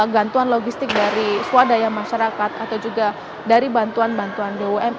gantuan logistik dari swadaya masyarakat atau juga dari bantuan bantuan bumn